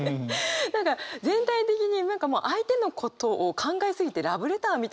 何か全体的に相手のことを考え過ぎてラブレターみたいに。